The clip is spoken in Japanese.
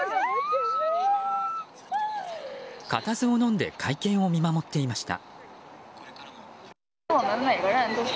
固唾をのんで会見を見守っていました。